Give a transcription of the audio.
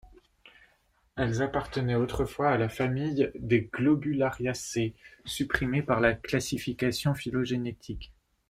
Elles appartenaient autrefois à la famille des Globulariacées, supprimée par la classification phylogénétique.